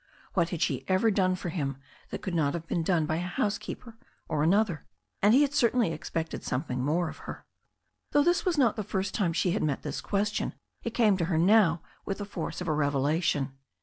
What had she ever done for him that could not have been done by a housekeeper or another? And he had certainly expected something more of her. Though this was not the first time she had met this question, it came to her now with the force of a revelation.